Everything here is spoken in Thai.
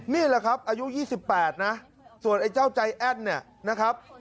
นี่แหละครับอายุ๒๘นะส่วนไอ้เจ้าใจแอ้นเนี่ยนะครับ